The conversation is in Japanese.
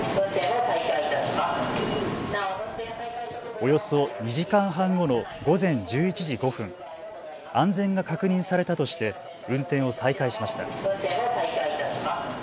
およそ２時間半後の午前１１時５分、安全が確認されたとして運転を再開しました。